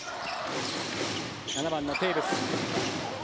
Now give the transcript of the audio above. ７番のテーブス。